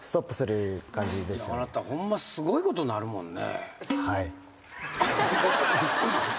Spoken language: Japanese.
あなたホンマすごいことなるもんね。